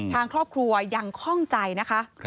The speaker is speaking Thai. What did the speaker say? ทางครอบครัวยังคล่องใจนะคะ